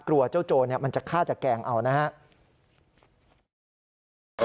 กลัวเจ้าโจรมันจะฆ่าจากแก่งเอานะครับ